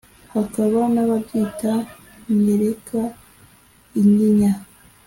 hakaba n’ababyita “nyereka inyinya”